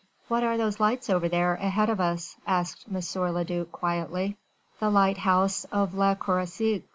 "What are those lights over there, ahead of us?" asked M. le duc quietly. "The lighthouse of Le Croisic, M.